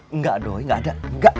enggak doi enggak ada enggak